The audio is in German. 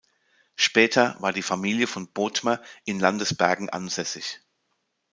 Später war die Familie von Bothmer in Landesbergen ansässig.